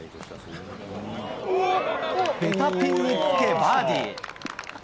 ベタピンにつけ、バーディー。